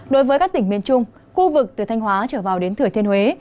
đối với các tỉnh miền trung khu vực từ thanh hóa trở vào đến thừa thiên huế